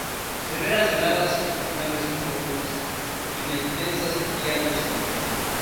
Severas heladas invernales son comunes, y la intensa sequía no es común.